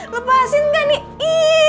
lepasin gak nih